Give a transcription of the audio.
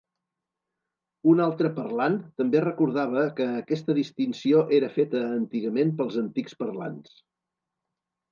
Un altre parlant també recordava que aquesta distinció era feta antigament pels antics parlants.